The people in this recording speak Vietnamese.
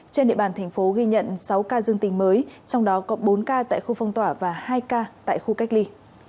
trên địa bàn thành phố ghi nhận sáu ca dương tình mới trong đó có bốn ca tại khu phong tỏa và hai ca tại khu cách ly